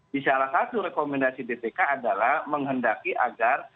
di salah satu rekomendasi bpk adalah menghendaki agar